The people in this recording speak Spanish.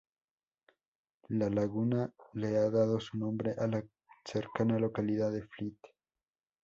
La laguna le ha dado su nombre a la cercana localidad de Fleet.